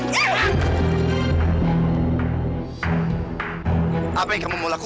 gapapa jangan pak